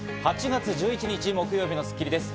８月１１日、木曜日の『スッキリ』です。